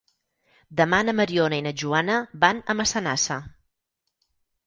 Demà na Mariona i na Joana van a Massanassa.